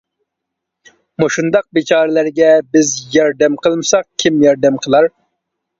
مۇشۇنداق بىچارىلەرگە بىز ياردەم قىلمىساق كىم ياردەم قىلار؟ !